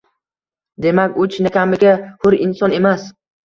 demak, u chinakamiga hur inson emas